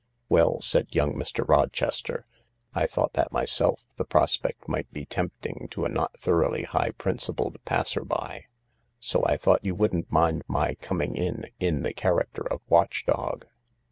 " Well,"said young Mr. Rochester, " Ithought that myself the prospect might be tempting to a not thoroughly high principled passer by. So I thought you wouldn't mind my coming in — in the character of watch dog.